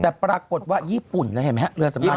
แต่ปรากฏว่าญี่ปุ่นนะเห็นไหมฮะเรือสำคัญ